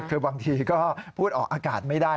คือบางทีก็พูดออกอากาศไม่ได้